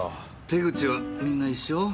手口はみんな一緒？